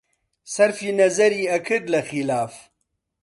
سەرفی نەزەری ئەکرد لە خیلاف